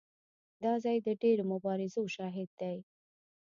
دا ځای د ډېرو مبارزو شاهد دی.